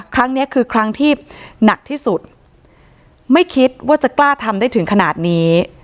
ครั้งนี้คือครั้งที่หนักที่สุดไม่คิดว่าจะกล้าทำได้ถึงขนาดนี้